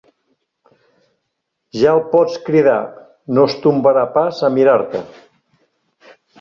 Ja el pots cridar: no es tombarà pas a mirar-te.